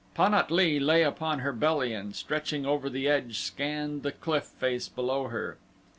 Pan at lee lay upon her belly and stretching over the edge scanned the cliff face below her.